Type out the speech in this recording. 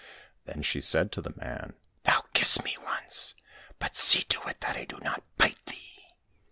Then she said to the man, '' Now kiss me once, but see to it that I do not bite thee